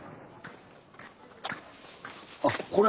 あっこれ。